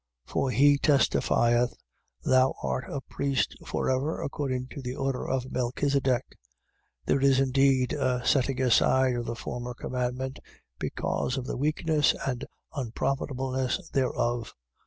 7:17. For he testifieth: Thou art a priest for ever according to the order of Melchisedech. 7:18. There is indeed a setting aside of the former commandment, because of the weakness and unprofitableness thereof: 7:19.